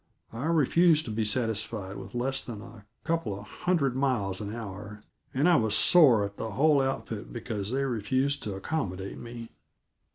I refused to be satisfied with less than a couple of hundred miles an hour, and I was sore at the whole outfit because they refused to accommodate me.